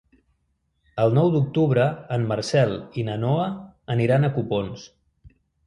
El nou d'octubre en Marcel i na Noa aniran a Copons.